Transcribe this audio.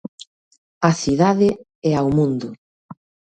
Á cidade e ao mundo.